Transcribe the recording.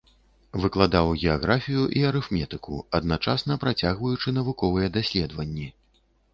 Выкладаў геаграфію і арыфметыку, адначасна працягваючы навуковыя даследаванні.